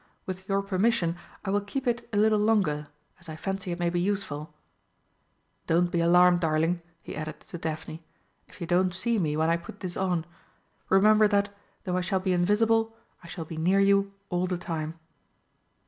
With your permission, I will keep it a little longer, as I fancy it may be useful. Don't be alarmed, darling," he added to Daphne, "if you don't see me when I put this on. Remember that, though I shall be invisible, I shall be near you all the time."